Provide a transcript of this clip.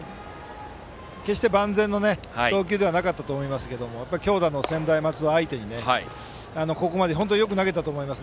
決して万全の投球ではなかったと思いますが強打の専大松戸相手にここまで本当によく投げたと思います。